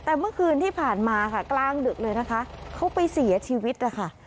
แต่เมื่อคืนที่ผ่านมาค่ะกลางดึกเลยนะคะเขาไปเสียชีวิตนะคะ